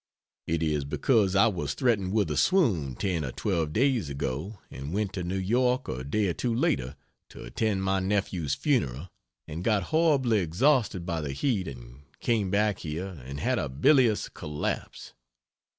It is because I was threatened with a swoon, 10 or 12 days ago, and went to New York a day or two later to attend my nephew's funeral and got horribly exhausted by the heat and came back here and had a bilious collapse.